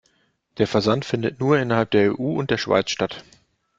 Der Versand findet nur innerhalb der EU und der Schweiz statt.